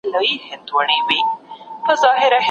د پوهې تږی هېڅکله نه مړیږي.